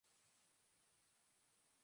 Artea zuhaitz nagusia da bestalde.